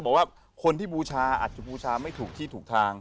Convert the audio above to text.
บอกว่าคนที่บูชาอาจจะบูชาไม่ถูกที่ถูกทาง